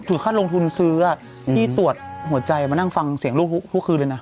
ค่าลงทุนซื้อที่ตรวจหัวใจมานั่งฟังเสียงลูกทุกคืนเลยนะ